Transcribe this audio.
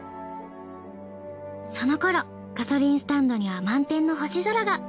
その頃ガソリンスタンドには満天の星空が。